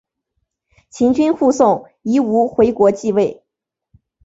秦军护送夷吾回国即位。